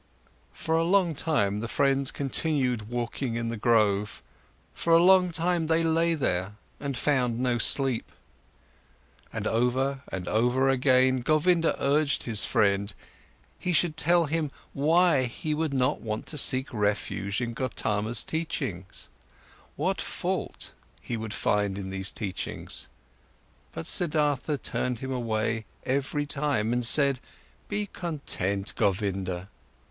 For a long time, the friends continued walking in the grove; for a long time, they lay there and found no sleep. And over and over again, Govinda urged his friend, he should tell him why he would not want to seek refuge in Gotama's teachings, what fault he would find in these teachings. But Siddhartha turned him away every time and said: "Be content, Govinda!